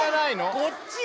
こっちや。